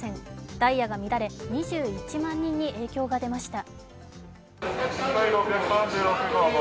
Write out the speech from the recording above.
ダイヤが乱れ、２１万人に影響が出ました。